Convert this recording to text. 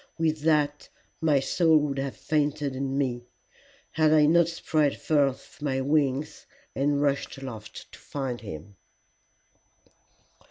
With that my soul would have fainted in me, had I not spread forth my wings and rushed aloft to find him.